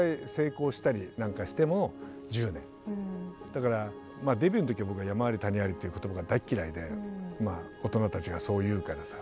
だからデビューの時僕は「山あり谷あり」っていう言葉が大嫌いで大人たちがそう言うからさ。